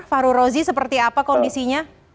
fahru rozi seperti apa kondisinya